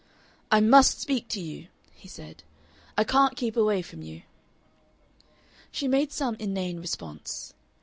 "I MUST speak to you," he said. "I can't keep away from you." She made some inane response.